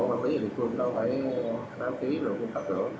mà bây giờ địa phương đâu phải đáo ký được không phát được